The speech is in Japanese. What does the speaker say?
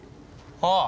ああ